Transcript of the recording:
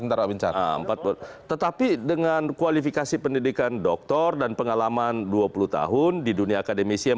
tetapi dengan kualifikasi pendidikan dokter dan pengalaman dua puluh tahun di dunia akademisi yang